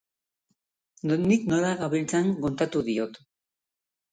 Nondik nora gabiltzan kontatu diot.